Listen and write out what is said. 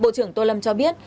bộ trưởng tô lâm cho biết